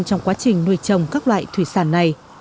trong quá trình nuôi trồng các loại thủy sản này